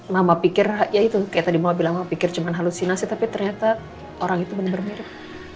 mama pikir ya itu kayak tadi mohon bilang mama pikir cuma halusinasi tapi ternyata orang itu bener bener mirip